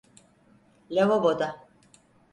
Lavaboda…